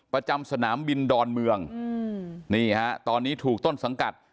ประจำสนามบินดอนเมืองนี่ฮะตอนนี้ถูกต้นสังกัด